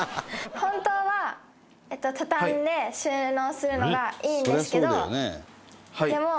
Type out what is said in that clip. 本当は、畳んで収納するのがいいんですけど、でも。